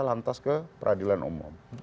lantas ke peradilan umum